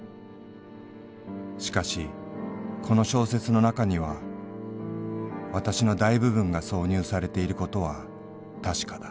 しかしこの小説のなかには私の大部分が挿入されていることは確かだ」。